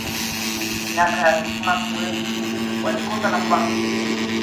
miaka ya nyuma watu wengi walikosa nafasi shuleni